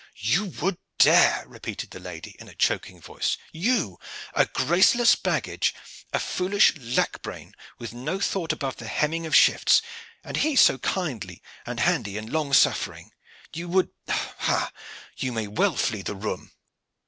"You would dare!" repeated the lady in a choking voice. "You, a graceless baggage, a foolish lack brain, with no thought above the hemming of shifts. And he so kindly and hendy and long suffering! You would ha, you may well flee the room!"